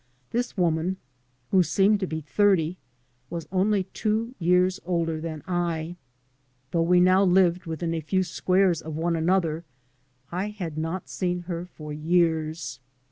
This woman who seemed to be thirty was only two years older than I. Though we now lived within a few squares of one another I had not seen her for years.